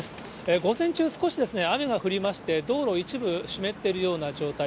午前中、少し雨が降りまして、道路、一部湿っているような状態。